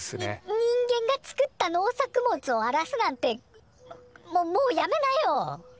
に人間が作った農作物をあらすなんてももうやめなよ！